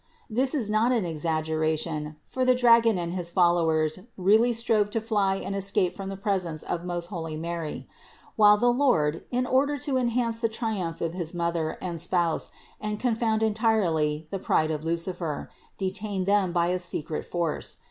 This is not an exaggeration for the dragon and his followers really strove to fly and 294 CITY OF GOD escape from the presence of most holy Mary; while the Lord, in order to enhance the triumph of his Mother and Spouse and confound entirely the pride of Lucifer, de tained them by a secret force.